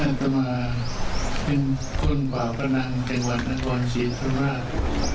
อัตมาเยี่ยมพระที่คุณเกิดอย่างรู้จักมะคุณอย่าง